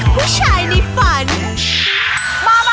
ผู้ชายในฝัน